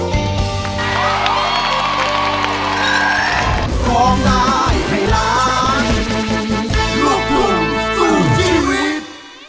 เว้ยป่าหูว่าเอาไปฝากป่าหูว่าเอาไปฝาก